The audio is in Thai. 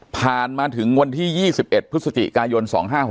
ผ่านมาถึงวันที่๒๑พฤศจิกายน๒๕๖๖